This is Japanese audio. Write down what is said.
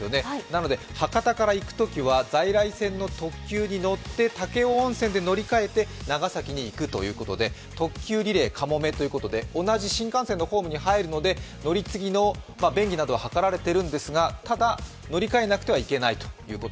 なので博多から行くときは在来線の特急に乗って武雄温泉で乗り換えて長崎に行くということで特急リレーかもめということで同じ新幹線のホームに入るので乗り継ぎの便宜などは図られているんですが、ただ乗り換えなくてはいけないと。